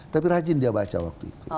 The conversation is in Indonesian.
tapi rajin dia baca waktu itu